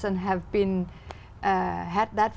cho chúng tôi